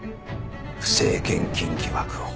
不正献金疑惑を。